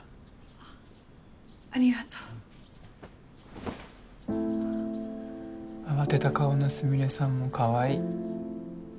あっありがとう慌てた顔のスミレさんもかわいい